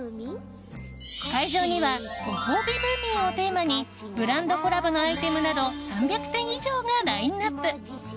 会場には「ご褒美ムーミン」をテーマにブランドコラボのアイテムなど３００点以上がラインアップ。